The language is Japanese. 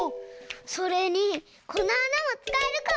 それにこのあなもつかえるかも！